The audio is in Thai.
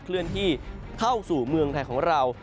เลื่อนที่เข้าสู่เมืองไทยของเรา